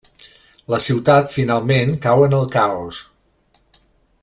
La ciutat finalment cau en el caos.